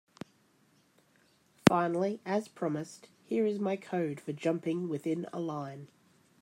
Finally, as promised, here is my code for jumping within a line.